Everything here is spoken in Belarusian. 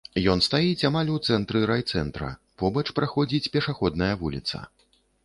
Ён стаіць амаль у цэнтры райцэнтра, побач праходзіць пешаходная вуліца.